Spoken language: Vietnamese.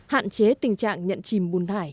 hạn chế tình trạng nhận chìm bùn thải